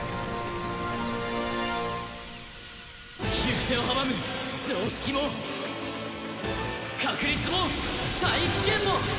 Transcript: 行く手を阻む常識も確率も大気圏も！